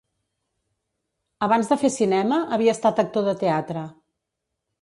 Abans de fer cinema havia estat actor de teatre.